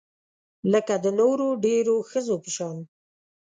لکه د نورو ډیرو ښځو په شان